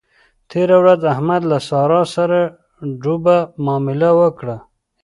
تېره ورځ احمد له له سارا سره ډوبه مامله وکړه.